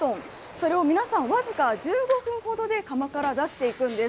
それを皆さん僅か１５分ほどで釜から出していくんです。